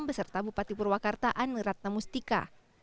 beserta bupati purwakarta anerat namustika